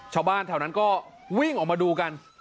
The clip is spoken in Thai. ชาวบ้านแถวนั้นก็วิ่งออกมาดูกัน